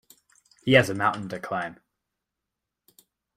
He has a mountain to climb